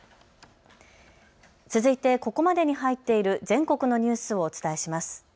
続いてここまでに入っている全国のニュースをお伝えします。